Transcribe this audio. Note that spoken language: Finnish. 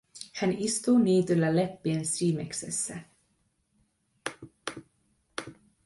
Hän istuu niityllä leppien siimeksessä.